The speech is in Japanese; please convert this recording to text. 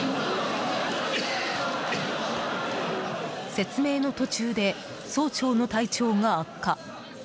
説明の途中で総長の体調が悪化。